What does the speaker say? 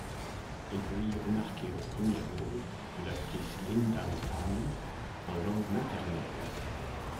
On peut y remarquer le premier rôle de l'actrice Linh-Dan Pham, en langue maternelle.